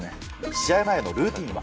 試合前のルーティーンは。